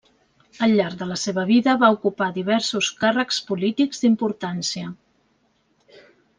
Al llarg de la seva vida va ocupar diversos càrrecs polítics d'importància.